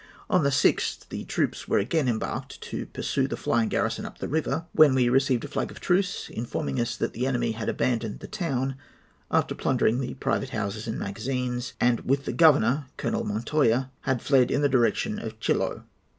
"On the 6th, the troops were again embarked to pursue the flying garrison up the river, when we received a flag of truce, informing us that the enemy had abandoned the town, after plundering the private houses and magazines, and with the governor, Colonel Montoya, had fled in the direction of Chiloe.